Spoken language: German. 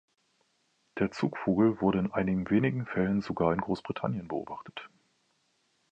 Der Zugvogel wurde in einigen wenigen Fällen sogar in Großbritannien beobachtet.